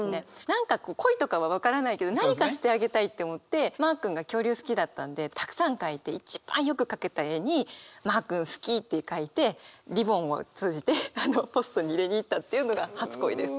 何か恋とかは分からないけど何かしてあげたいって思ってマー君が恐竜好きだったんでたくさん描いて一番よく描けた絵に「マー君好き」って書いてリボンをつうじてポストに入れに行ったっていうのが初恋です。